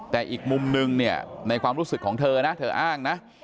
แต่อีกมุมนึงเนี่ยในความรู้สึกของเธอนะเธออ้างนะ